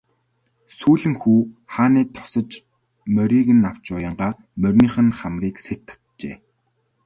Сүүлэн хүү хааны тосож морийг нь авч уянгаа мориных нь хамрыг сэт татжээ.